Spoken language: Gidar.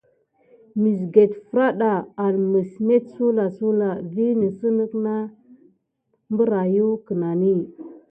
Məsget fraɗa en məs met suwlasuwla vi nisikeho berayuck kenani.